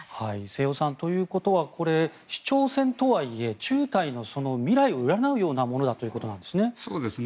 瀬尾さん、ということはこれ、市長選とはいえ中台の未来を占うようなものだということですね。